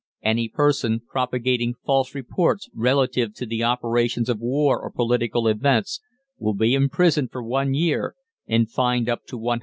Any person propagating false reports relative to the operations of war or political events will be imprisoned for one year, and fined up to £100.